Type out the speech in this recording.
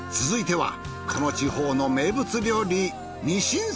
続いてはこの地方の名物料理